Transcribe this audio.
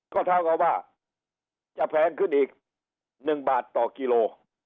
ก็เท่ากับว่าจะแพงขึ้นอีก๑บาทต่อกิโล